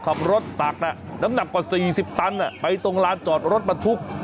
ขับรถตักน่ะน้ำหนักกว่าสี่สิบตันน่ะไปตรงร้านจอดรถมาทุก